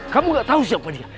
kamu gak tahu siapa dia